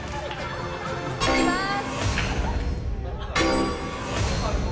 いきます。